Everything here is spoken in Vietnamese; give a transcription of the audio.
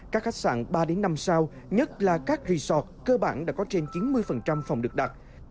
các khách sạn ba năm sao nhất là các resort cơ bản đã có trên chín mươi phòng được đặt